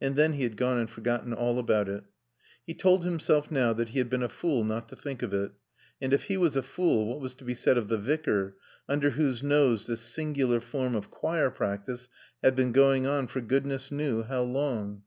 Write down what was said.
And then, he had gone and forgotten all about it. He told himself now that he had been a fool not to think of it. And if he was a fool, what was to be said of the Vicar, under whose nose this singular form of choir practice had been going on for goodness knew how long?